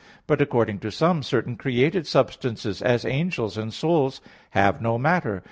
But, according to some, certain created substances, as angels and souls, have not matter.